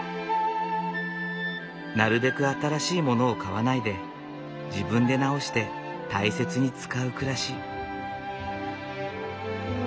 なるべく新しいものを買わないで自分で直して大切に使う暮らし。